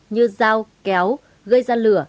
như dao kéo gây ra lửa